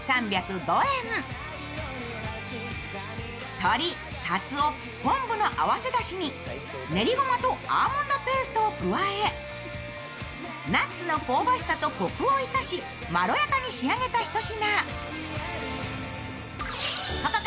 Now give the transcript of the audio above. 鶏、かつお、昆布の合わせだしに練りごまとアーモンドペーストを加えナッツの香ばしさとこくを生かしまろやかに仕上げたひと品。